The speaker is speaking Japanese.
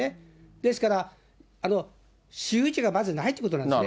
ですから、私有地がまずないっていうことなんですね。